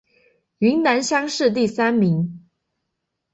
云南乡试第三名。